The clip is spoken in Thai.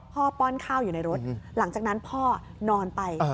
ป้อนข้าวอยู่ในรถหลังจากนั้นพ่อนอนไป